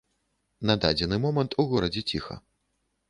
На дадзены момант у горадзе ціха.